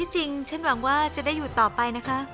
จริงฉันหวังว่าจะได้อยู่ต่อไปนะคะ